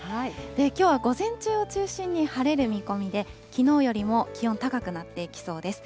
きょうは午前中を中心に晴れる見込みで、きのうよりも気温高くなっていきそうです。